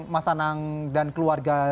mas anang dan keluarga